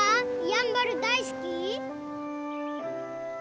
やんばる大好き？